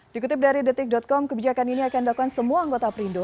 dikutip dari detik com kebijakan ini akan dilakukan semua anggota perindo